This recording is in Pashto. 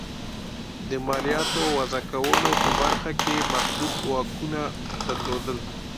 د مالیاتو وضعه کولو په برخو کې محدود واکونه درلودل.